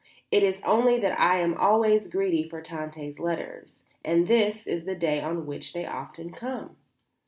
It is only that I am always greedy for Tante's letters, and this is the day on which they often come."